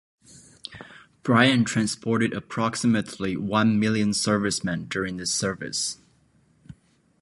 Bryant transported approximately one million servicemen during this service.